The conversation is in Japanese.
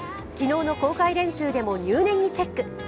昨日の公開練習でも入念にチェック。